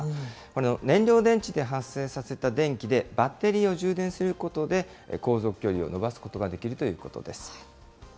この燃料電池で発生させた電気でバッテリーを充電することで、行続距離を伸ばすことができるということです。